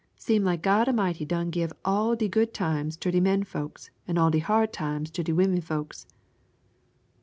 Seem like God A'mighty done give all de good times ter de menfolks an' all de hard times ter de womenfolks."